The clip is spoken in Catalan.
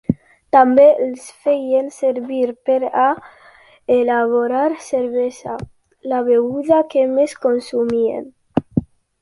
També els feien servir per a elaborar cervesa, la beguda que més consumien.